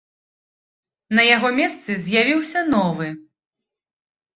На яго месцы з'явіўся новы.